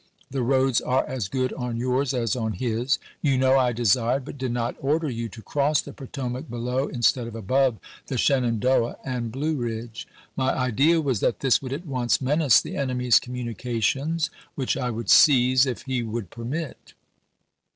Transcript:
The roads are as good on yours as on his. You know I de sired, but did not order, you to cross the Potomac below instead of above the Shenandoah and Blue Ridge, My idea was tJaat this would at once menace the enemy's communications, which I would seize if he would permit.